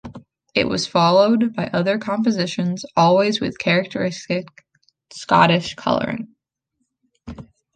It was followed by other compositions, always with a characteristic Scottish colouring.